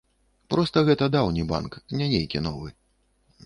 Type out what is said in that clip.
Проста гэта даўні банк, не нейкі новы.